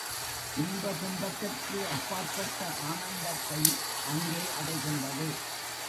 இன்ப துன்பத்திற்கு அப்பாற்பட்ட ஆனந்தத்தை அங்கே அடைகின்றது.